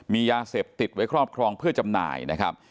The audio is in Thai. มียาเสพติดไว้ครอบครองเพื่อจำหน่ายนะครับ